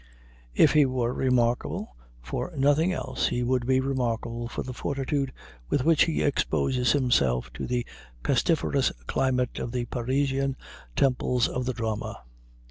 If he were remarkable for nothing else he would be remarkable for the fortitude with which he exposes himself to the pestiferous climate of the Parisian temples of the drama.